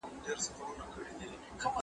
ماشوم ورو ورو د خوب خواته لاړ.